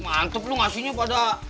mantep lu ngasihnya pada